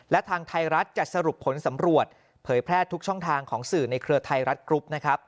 และทางไทยรัฐจะสรุปผลสำรวจเผยแพร่ทุกช่องทางของสื่อในเครือไทยรัฐกรุ๊ปนะครับ